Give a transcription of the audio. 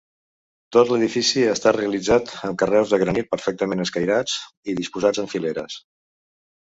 Tot l'edifici ha estat realitzat amb carreus de granit perfectament escairats i disposats en fileres.